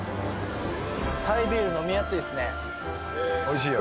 タイビール飲みやすいですねおいしいよね